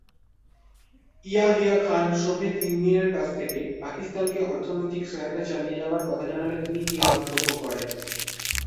Yahya Khan Soviet ইউনিয়নের কাছ থেকে পাকিস্তানকে অর্থনৈতিক সহায়তা চালিয়ে যাবার কথা জানালে তিনি এ মন্তব্য করেন।